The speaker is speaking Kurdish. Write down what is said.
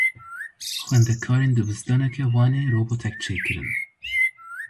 Xwendekarên dibistaneke Wanê robotek çêkirin.